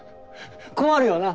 困るよな？